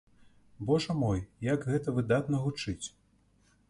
Божа мой, як гэта выдатна гучыць!